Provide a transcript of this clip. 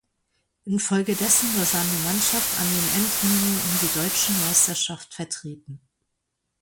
Infolgedessen war seine Mannschaft an den Endrunden um die Deutsche Meisterschaft vertreten.